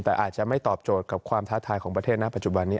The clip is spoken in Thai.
แต่อาจจะไม่ตอบโจทย์กับความท้าทายของประเทศณปัจจุบันนี้